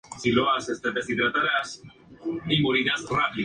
La serie tenía acción y humor y duró un año al aire.